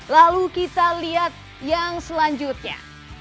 lalu kita lihat yang selanjutnya